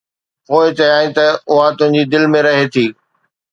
پوءِ چيائين ته اها تنهنجي دل ۾ رهي ٿي.